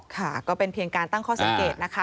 ค่ะก็เป็นเพียงการตั้งข้อสังเกตนะคะ